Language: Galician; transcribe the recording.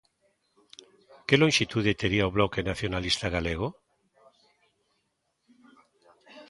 ¿Que lonxitude tería o Bloque Nacionalista Galego?